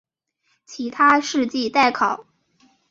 其他事迹待考。